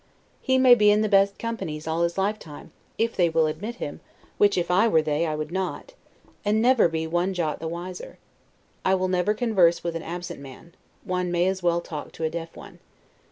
He may be in the best companies all his lifetime (if they will admit him, which, if I were they, I would not) and never be one jot the wiser. I never will converse with an absent man; one may as well talk to a deaf one.